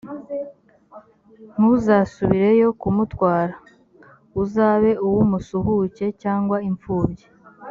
ntuzasubireyo kuwutwara; uzabe uw’umusuhuke, cyangwa impfubyi,